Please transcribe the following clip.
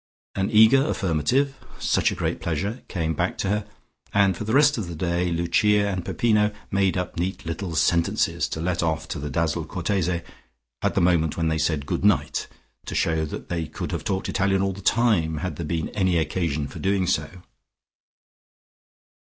An eager affirmative (such a great pleasure) came back to her, and for the rest of the day, Lucia and Peppino made up neat little sentences to let off to the dazzled Cortese, at the moment when they said "good night," to shew that they could have talked Italian all the time, had there been any occasion for doing so.